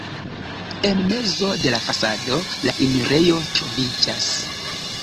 En mezo de la fasado la enirejo troviĝas.